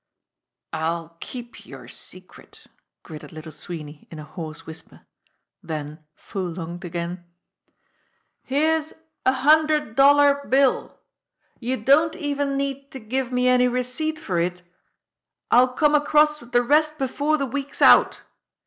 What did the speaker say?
"I'll keep your secret!" gritted Little Sweeney in a hoarse whisper; then full lunged again: "Here's a hundred dollar bill. You don't even need to give me any receipt for it. I'll come across with the rest before the week's out.